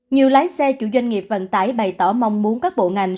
nhiều lái xe chủ doanh nghiệp vận tải bày tỏ mong muốn các bộ ngành